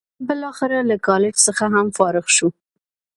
هغه بالاخره له کالج څخه هم فارغ شو.